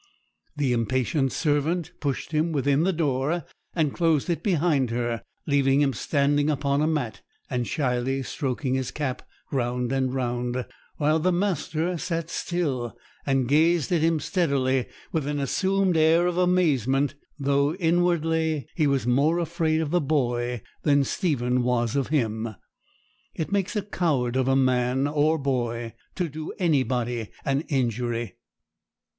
The impatient servant pushed him within the door, and closed it behind her, leaving him standing upon a mat, and shyly stroking his cap round and round, while the master sat still, and gazed at him steadily with an assumed air of amazement, though inwardly he was more afraid of the boy than Stephen was of him. It makes a coward of a man or boy to do anybody an injury.